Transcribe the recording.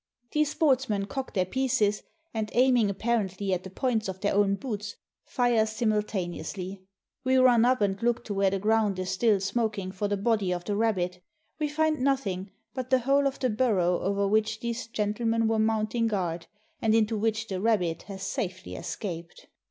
These sports men cock their pieces, and, aiming apparently at the points of their own boots, fire simultaneously. We run up and look to where the ground is still smoking for the body of the rabbit. We find nothing but the hole of the burrow over which these gentlemen were mounting guard, and into which the rabbit has safely escaped.